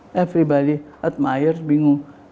semua orang menghargai bingung